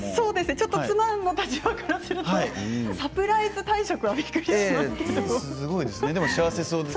ちょっと妻の立場からするとサプライズ退職は、びっくりしますねでも幸せそうです。